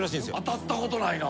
当たったことないな。